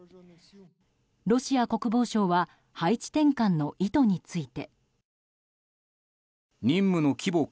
ロシア国防省は配置転換の意図について。